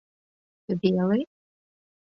— Веле?